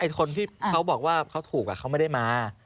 คนที่เขาบอกว่าเขาถูกเขาไม่ได้มา